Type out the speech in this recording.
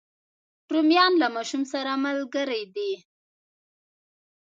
رومیان له ماشوم سره ملګري دي